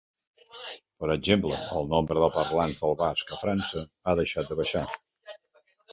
Per exemple, el nombre de parlants del basc a França ha deixat de baixar.